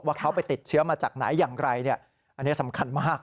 ว่าเขาไปติดเชื้อมาจากไหนอย่างไรอันนี้สำคัญมาก